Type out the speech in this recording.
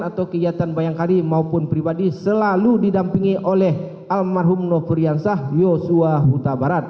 atau kegiatan bayangkari maupun pribadi selalu didampingi oleh almarhum nofriansah yosua huta barat